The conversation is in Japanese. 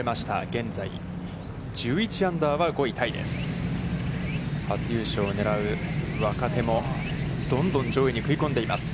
現在、１１アンダーは５位タイです。